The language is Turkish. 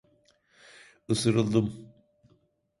Isırıldım.